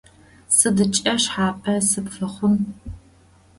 Сыдкӏэ шъхьапэ сыпфэхъун?